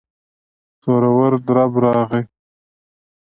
زورور درب راغی.